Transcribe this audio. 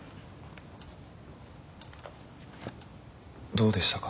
どうでしたか？